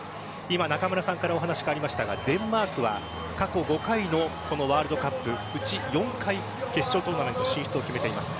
今、中村さんからお話がありましたがデンマークは過去５回のワールドカップうち４回決勝トーナメント進出を決めています。